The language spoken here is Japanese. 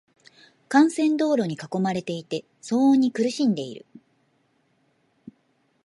幹線道路に囲まれていて、騒音に苦しんでいる。